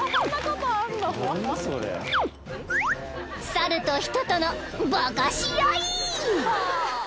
［猿と人との化かし合い！］